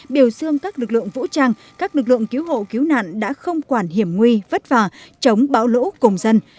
biểu dương các lực lượng vũ trang các lực lượng cứu hộ cứu nạn đã không quản hiểm nguy vất vả chống bão lũ cùng dân